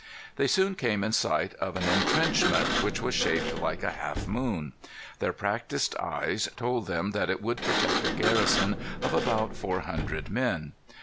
They soon came in sight of an intrenchment, which was shaped like a half moon. Their practised eyes told them that it would protect a garrison of about four hundred men.